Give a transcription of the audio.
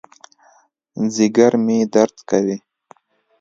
ځېګر مې درد کوي